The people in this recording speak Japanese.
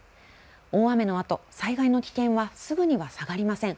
大雨のあと、災害の危険はすぐには下がりません。